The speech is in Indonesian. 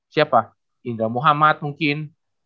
siapa indra muhammad mungkin